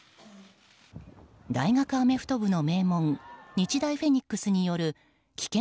大学アメフト部の名門日大フェニックスによる危険